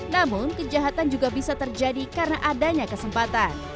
namun kejahatan juga bisa terjadi karena adanya kesempatan